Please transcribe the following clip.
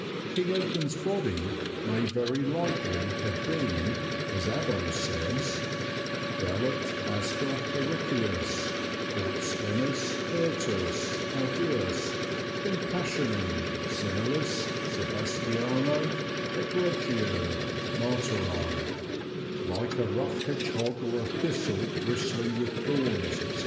King Edmund's body may very likely have been, as Abbo says, "velut asper hericius, aut spinis hirtus carduus, in passione similis Sebastiano egregio martyri"; "like a rough hedgehog or a thistle bristling with thorns, etc."